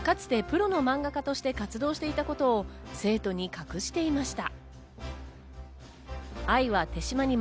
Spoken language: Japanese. かつてプロのマンガ家として活動していたことを生徒に隠していました。